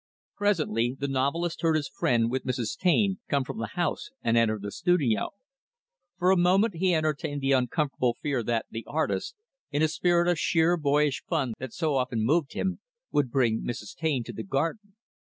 Presently, the novelist heard his friend, with Mrs. Taine, come from the house and enter the studio. For a moment, he entertained the uncomfortable fear that the artist, in a spirit of sheer boyish fun that so often moved him, would bring Mrs. Taine to the garden.